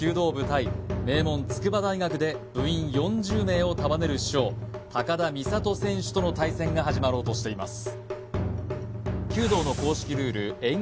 対名門筑波大学で部員４０名を束ねる主将高田実怜選手との対戦が始まろうとしています